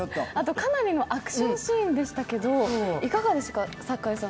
かなりのアクションシーンでしたけど、いかがでした？